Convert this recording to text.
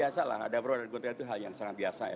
biasa lah ada pro dan kontra itu hal yang sangat biasa ya